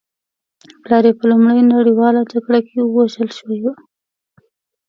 پلار یې په لومړۍ نړۍواله جګړه کې وژل شوی و